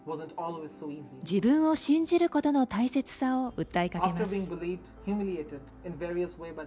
自分を信じることの大切さを訴えかけます。